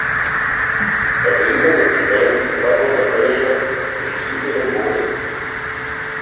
Катерина зад тркалезните стакла забележа сочувствителен поглед.